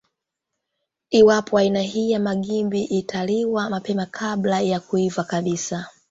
Iwapo aina hii ya magimbi italiwa mapema kabla ya kuiva kabisa